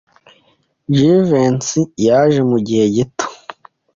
Jivency yaje mugihe gito.